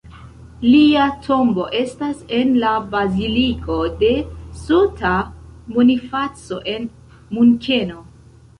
Lia tombo estas en la baziliko de S-ta Bonifaco en Munkeno.